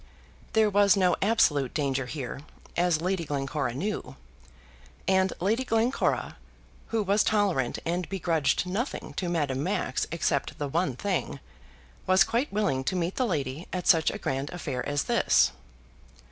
There was no absolute danger here, as Lady Glencora knew; and Lady Glencora, who was tolerant and begrudged nothing to Madame Max except the one thing, was quite willing to meet the lady at such a grand affair as this.